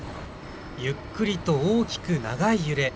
ゆっくりと、大きく長い揺れ。